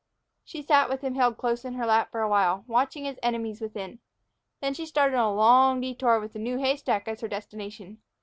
She sat with him held close in her lap for a while, watching his enemies within. Then she started on a long detour, with the new haystack as her destination.